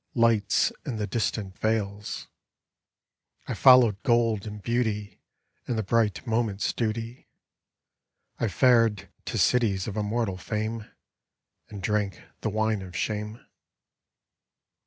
Lights in the distant vales ; I followed gold and beauty. And the bright moment's duty; I fared to cities of immortal fame, And drank the wine of shame.